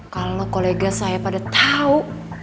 kalau kolega saya pada tahu